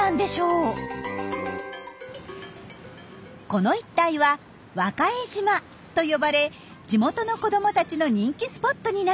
この一帯は和賀江島と呼ばれ地元の子どもたちの人気スポットになっています。